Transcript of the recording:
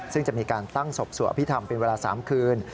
ซึ่งจะมีการตั้งศพสวดอภิษฐรรมเป็นเวลา๓คืน